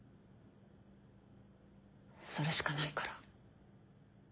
それしかないから。